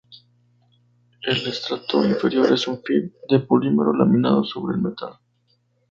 El estrato inferior es un film de polímero laminado sobre el metal.